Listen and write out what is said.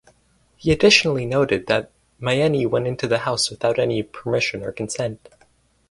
He additionally noted that Myeni went in the house without any permission or consent.